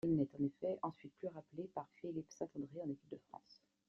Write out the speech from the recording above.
Il n'est, en effet, ensuite plus rappelé par Philippe Saint-André en équipe de France.